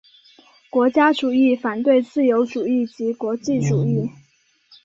国家主义反对自由主义及国际主义。